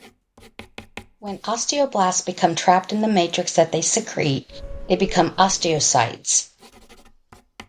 When osteoblasts become trapped in the matrix that they secrete, they become osteocytes.